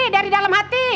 dari dalam hati